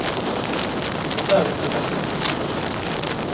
Il vota avec le parti constitutionnel.